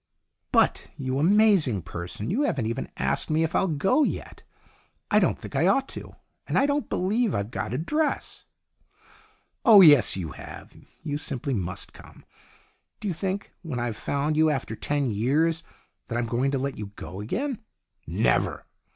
"But, you amazing person, you haven't even asked me if I'll go yet. I don't think I ought to, and I don't believe I've got a dress." "Oh, yes, you have. And you simply must come. Do you think, when I've found you after ten years, that I'm going to let you go again ? Never